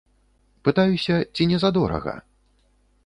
Пытаюся, ці не задорага?